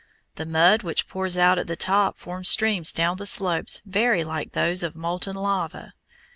The mud which pours out at the top forms streams down the slopes very like those of molten lava.